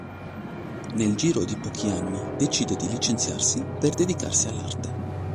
Nel giro di pochi anni decide di licenziarsi per dedicarsi all’arte.